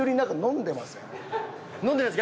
飲んでないです。